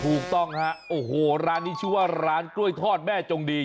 ถูกต้องฮะโอ้โหร้านนี้ชื่อว่าร้านกล้วยทอดแม่จงดี